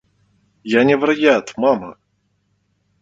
Я не вар'ят, мама!